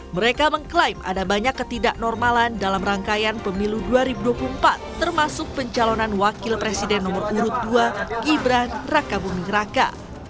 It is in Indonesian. mereka mengklaim ada banyak ketidaknormalan dalam rangkaian pemilu dua ribu dua puluh empat termasuk pencalonan wakil presiden nomor urut dua gibran raka buming raka